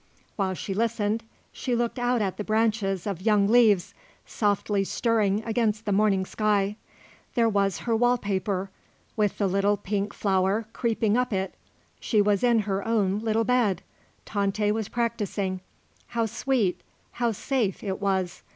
While she listened she looked out at the branches of young leaves, softly stirring against the morning sky. There was her wall paper, with the little pink flower creeping up it. She was in her own little bed. Tante was practising. How sweet, how safe, it was.